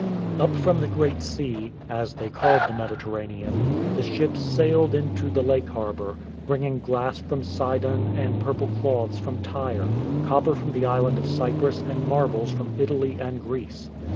Up from the Great Sea — as they called the Mediter ranean — the ships sailed into the lake harbour, bring ing glass from Sidon and purple cloths from Tyre, copper from the island of Cyprus and marbles from Italy and Greece.